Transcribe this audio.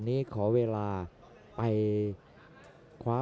มีความรู้สึกว่า